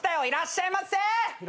いらっしゃいませ。